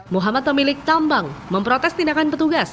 muhammad pemilik tambang memprotes tindakan petugas